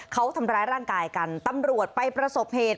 เขาทำร้ายร่างกายกันตำรวจไปประสบเหตุ